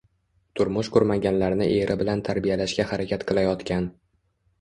Turmush qurmaganlarni eri bilan tarbiyalashga harakat qilayotgan